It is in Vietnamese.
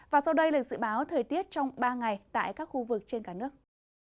và sau đây là dự báo thời tiết trong ba ngày tại các khu vực trên cả nước